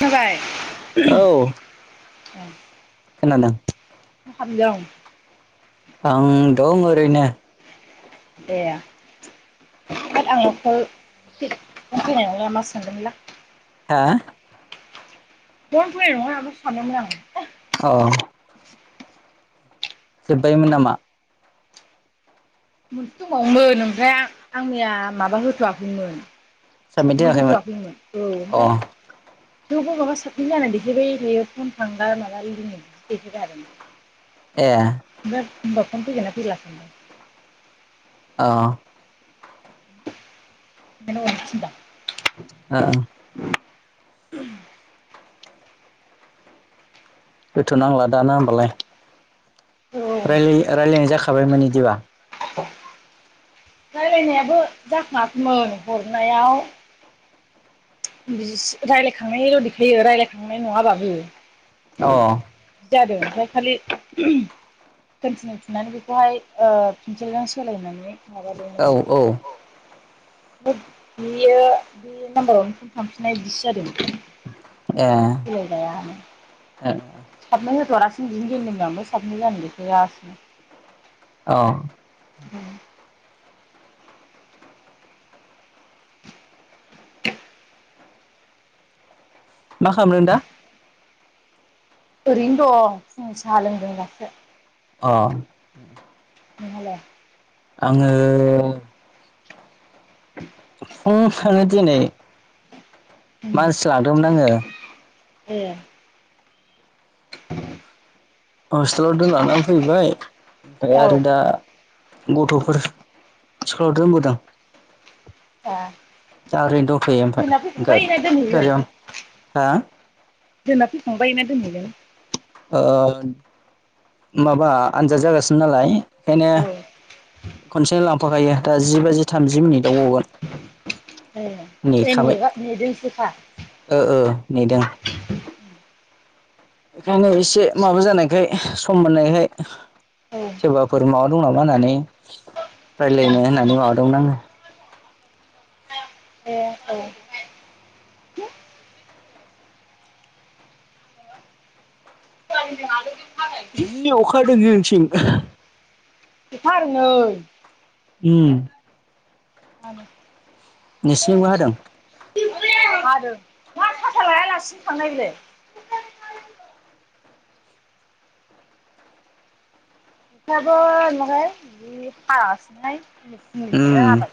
खोनाबाय औ खोनादों। मा खामदों? आं दं ओरैनो। ए। बाथ आं न'खर [unintelligible] फैनाय नंला नामासो सानदोंमोनलां। हा? फन फैनाय नङा नामासो सानदोंमोन आं। अह। जोब्बायमोन नामा? मोनसे दंबावोमोन ओमफ्राय आं मैया माबा होथ'वाखैमोन। साबमिट होथ'आखैमोन औ अ ओमफ्राय थेवबो माबा साबमिट जानाय देखायबाय थायो फन थांला माला लिमिटसो देखायबाय थादों। ए। होमबा फन फैगोन ना फैला सानदां अह। [unintelligible] ओ ओ [inaudible] होथ' नांला दा ना होमबालाय। औ रायलाय रायलायनाय जाखाबाय माने इदिबा? रायलायनायाबो जाखाङाखैमोन हरनायाव बि रायलायखांनायल' देखायो रायलायखांनाय नङाबाबो। अह। जादों ओमफ्राय खालि कन्टिनिउ थुनानै बेखौहाय ओ फेनसिलजों सोलायनानै माबा औ दोंमोन औ आं। बेयो बे नाम्बारावनो फन थांफिननाय बिदिसो जादों। [inaudible] खोनायानो। साबमिट होथ'आलासेनो बिदिनो दोनदों आं आमफाय साबमिट जानाय देखायगासिनो। अह। उम। मा खालामदों दा? ओरैनो दं फुंनि साहा लोंदों दासो। अ'। नों हालाय? आङो फुङावनो दिनै मानसि लांदोंमोन आङो ए। हस्टेलाव दोनलांना फैबाय ओमफाय औ आरो दा गथ'फोर स्कुलाव दोनबोदों। दा दा ओरैनो दंथोयो ओमफाय दोनना फैखांबाय ना गा-गारियावनो, हा? जोंना फैखांबाय ना दोनहैनो। ओ माबा आनजाद जागासिनो नालाय ओंखायनो औ खनसेनो लांफाखायो दा जि बाजि थामजि मिनिटाव ग'गोन। ए ए नेखाबाय नेगा नेदोंसोखा ओ ओ नेदों। बेखायनो एसे माबा जानायखाय सम मोननायखाय औ सोरबाफोर माबा दं नामा होननानै रायलायनो होननानै माबा दोंमोन आङो। ए औ। [inaudible] जि अखा हादों जोंनिथिं। अखा हादों नै उम [unintelligible] नोंसिनिजोंबो हादों [inaudible] मा साथा लायालासिनो थांनाय बेलाय अखायाबो नुयाखै जि फासिनोहाय उ फुनिखौनो उम हाबाय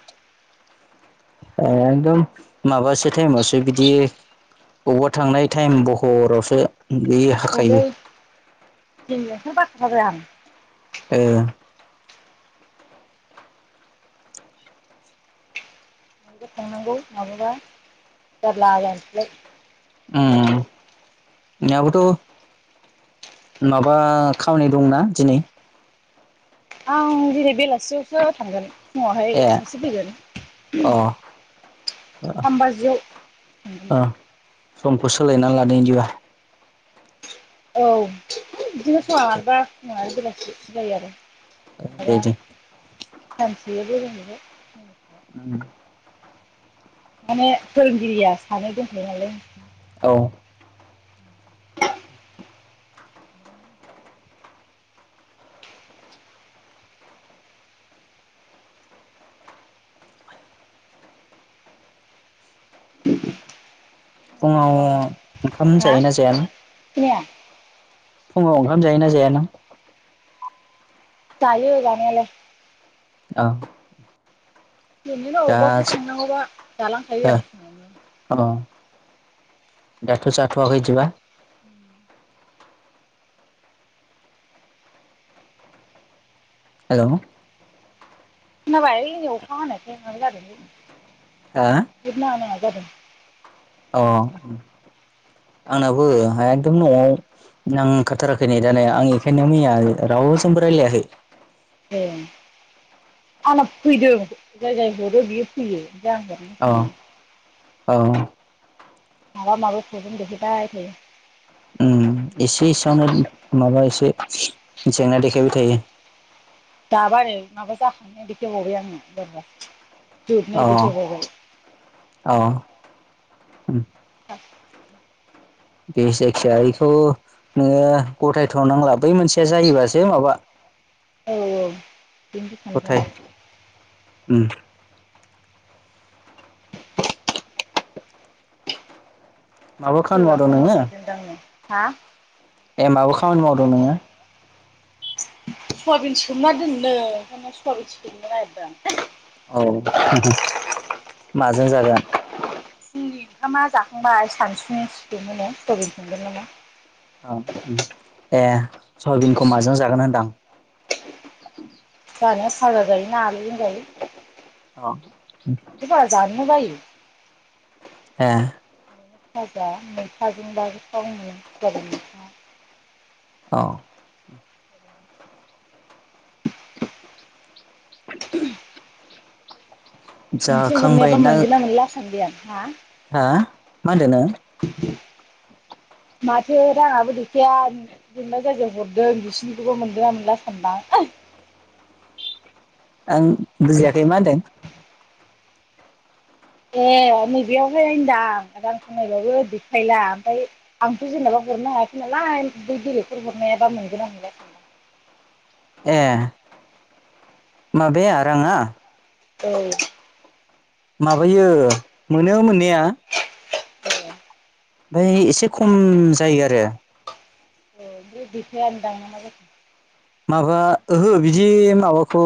एकदम माबासो टाइमावसो बिदि बबावबा थांनाय टाइम बहरावसो जि औलै हाखायो दिनै [unintelligible] ए थांनांगौ माबाबा जारला जानोसैलाय। उम दाबोथ' माबा खामानि दंना दिनै आं दिनै बेलासियावसो थांगोन। फुङावहाय ए सासे अ फैगोन थामबाजियाव ओ समखौ सोलायनानै लाना लादो इदिबा। औ बिदिनो समाव मारैबा फुङावानो बेलासि जायो आरो। दे दे सानसेयावबो जों [unintelligible] उम माने फोरोंगिरिया सानै दोथयो नालाय औ फुङाव ओंखाम हा जायोना जायानो? खोनाया फुङाव ओंखाम जायोना जाया नों जायो जानायालाय औ बिनिनो दा अबाफोर थांनांगौबा जालांखायो आं फुङावनो ओ अ दाथ जाथआखै बेदिब्ला उम हेलौ खोनाबायै अखा हानायखाय माबा जादोंलै हा नेट नाङा नाङा जादों अ आंनाबो हेखदम न'आव नांखारथाराखै नै दा नै आं एखायनो मैया राव रावजोंबो रायलायाखै ए आंना फैदों जाय जाय हरो बियो फैयो [unintelligible] अ औ मालबा मालबा प्रब्लेम देखायबाय थायो उम एसे एसेयावनो माबा एसे जेंना देखायबाय थायो दाबा नै माबा जाखांनाय देखायबावबाय आङो बोरबा अ अ उम दे जायखिया बेखौ नोङो गथायथनांला बै मोनसेया जायोबासो माबा औ औ बेनोथ सानदों गथाय आं उम माबा खामानि सोरबा मावदों फन नोङो हरदेरदोंदां नै हा ए माबा खामानि मावदों नोङो सयाबिन सोमना दोननो ओंखायनो सयाबिन सोमनो नागिरदां औ [unintelligible] माजों जागोन फुंनि ओंखामा जाखांबाय सानसुनि सोमोनो सबिन संगोन नामा औ उम ए नामा सवाबिनखौ माजों जागोन होनदां? जानो साजा जायो ना आलुजों जायो अ बिदि बारा जानोनो बायो ए फाजा मैथाजोंबा गोथाव मोनो सयाबिन मैथा अ नोंसोर हरनायाबा मोनगोन ना मोनला सानबाय आं हा हा मा होनदों नों [inaudible] माथो रांआबो देखाया जेनबा जायजाया हरदों बिसिनिखौबो मोनदों ना मोनला सानबाय [inaudible] आं बुजियाखै मा होनदों ए नैबेयावहाय होनदां रांखौ नायबाबो देखायला ओमफ्राय आंथ जेनेबा हरनो हायाखै नालाय बै बेलेगफोर हरनायाबा मोनगोना मोना सानदां ए माबाया राङा औ माबायो मोनो मोननाया औ ओमफाय एसे खम जायो आरो बे देखायानदां मा जाखो माबा ओहो बिदि माबाखौ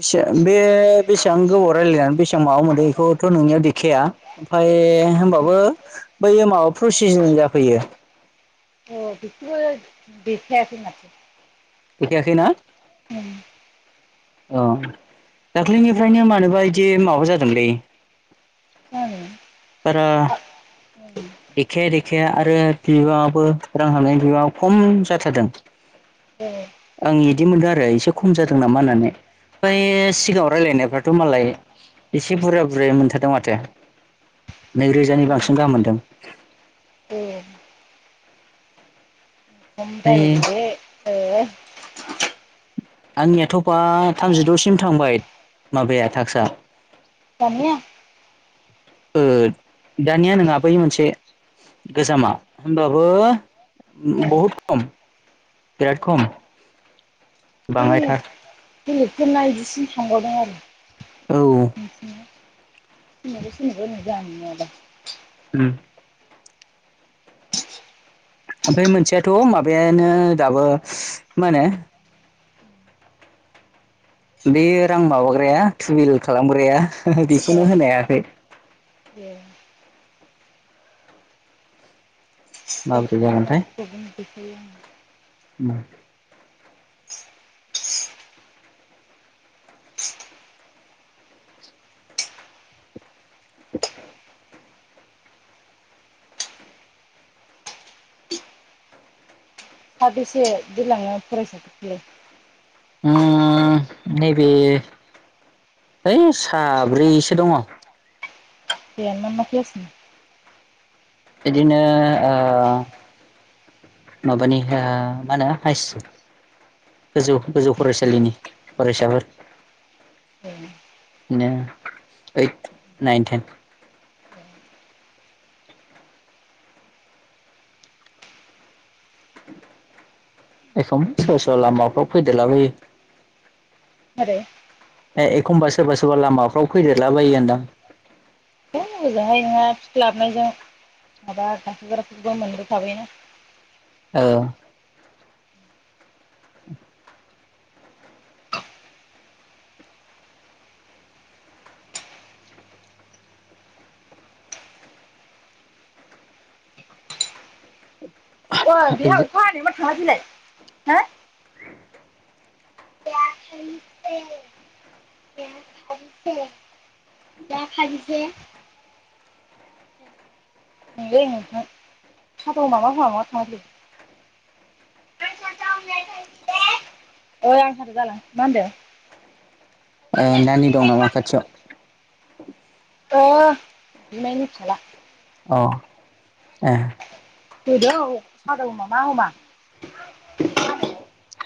बेसे बे बेसेबां गोबाव रायज्लायनानै बेसेबां माबा मोनो बेखौथ नोंनियाव देखाया ओमफ्राय ए होमबाबो बै माबा प्रसिजसिं जाफैयो अ बेखौबो देखायाखै माथो देखायाखैना उम अ दाख्लैनिफ्रायनो मानोबा इदि माबा जादोंलै जानो बारा खम देखाया देखाया आरो बिबाङाबो रां हाबनायनि बिबाङा खम जाथारदों आं इदि मोनदों आरो एसे खम जादों नामा होननानै ओमफ्राय सिगाङाव रायलायनायफ्राथ' मालाय एसे बुरजा बुरजायै मोनथारदों माथो नैरोजानि बांसिन गाहाम मोनदों। ओमफ्राय [unintelligible] आंनियाथ' बा थामजिद'सिम थांबाय माबाया थाक्सा दानिया? ओ दानिया नोङा बै मोनसे गोजामा होम्बाबो ओ बहुद खम बिराद खम ओइ बाङायथार बेलेगफोरना बिदिसिम थांबावदों आरो औ नोंसिनिया [unintelligible] सोरनाबा सोरनाबा नुजायानो नङाबा उम ओमफ्राय मोनसेयाथ' माबायानो दाबो मा होनो बे रां माबाग्राया टुविल खालामग्राया औ बेखौनो होनो हायाखै ए माबोरै जागोनथाय [unintelligible] उम साबैसे दैलाङो फरायसाफोरखौलाय? उम नैबे है साब्रैसो दङ। बेया मा मा क्लासनि? बिदिनो ओ माबानि हो माहोनो हाइस गोजौ गोजौ फरायसालिनि फरायसाफोर। ए इदिनो ओइड नाइन थेन। एखम सोरबा सोरबा लामाफ्राव फैदेरलाबाइयो। [unintelligible] ए एखमबा सोरबा सोरबा लामाफ्राव फैदेरला बायो होनदां। [unintelligible] लाबनायजों माबा गाखोग्राखोबो मोनबोखाबाय [unintelligible] ओ। अ बेहा अखा हानाया मा थांलाय फैलाय हो [unintelligible] [unintelligible] [unintelligible] [unintelligible] ओ नानि दं नामा खाथियाव? ओ बिमायनि फिसाला। औ ए [unintelligible]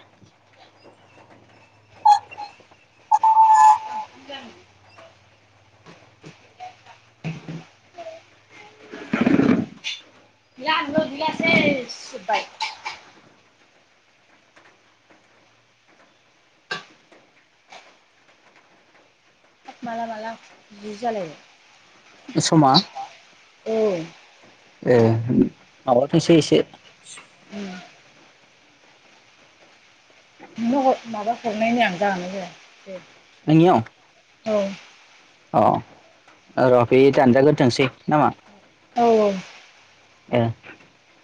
[inaudible] [inaudible] [unintelligible] माला माला जि जालायो । समा। ए माबाथोंसै एसे। उम। नोंनो माबा हरनायनि आं जागोनना जाया । आंनियाव। औ। र' बे दानजाग्रोथोंसै ना मा? औ औ। [inaudible]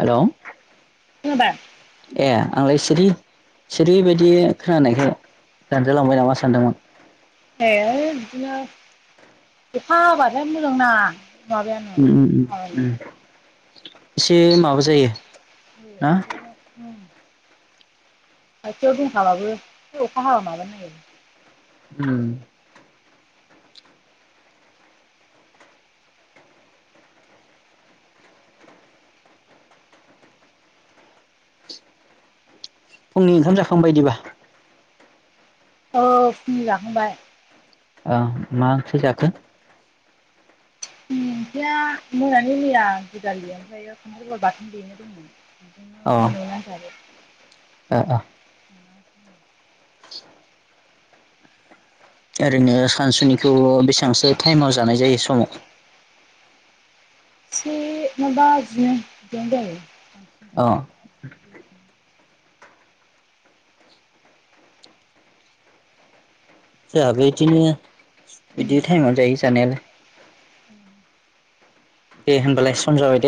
हेलौ। खोनाबाय। ए आंलाय सिरि सिरिबायदि खोनानायखाय। दानजालांबाय नामा सानदोंमोन। ए बिदिनो अखा हाबाथाय मोजां नाङा। उम उम उम। एसे माबा जायो ना। खाथियाव दंखाबाबो अखा हाबा माबानो नागिरो। उम। फुंनि ओंखाम जाखांबा दिबा। औ फुंनि जाखांबाय। अ मा ओंख्रि जाखो? फुंनि ओंख्रिया मोनानि मैया दुदालि ओमफ्राय खानथाल बेगर बाथोन देनाय अ ओ दंमोन। [inaudible] ओ ओरैनो सानसुनिखौ बेसेबांसो टाइमाव जानाय जायो समाव। जिसे नङाबा जिनै बिदियावनो जायो। अ। जोंहाबो बिदिनो बिदि टाइमाव जायो जानायालाय। दे होमबालाय सम जाबाय दे।